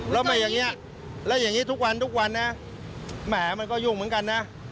แล้วไม่อย่างนี้แล้วอย่างนี้ทุกวันทุกวันนะแหมมันก็ยุ่งเหมือนกันนะ